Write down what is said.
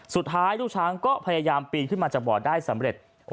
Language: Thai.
สุดท้ายลูกช้างก็พยายามปีนขึ้นมาจากบ่อได้สำเร็จ